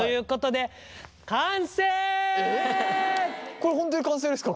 これ本当に完成ですか？